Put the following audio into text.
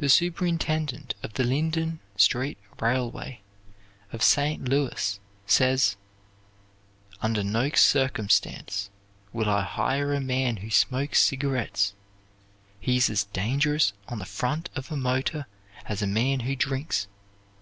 The superintendent of the Linden Street Railway, of St. Louis, says: "Under no circumstances will I hire a man who smokes cigarettes. He is as dangerous on the front of a motor as a man who drinks.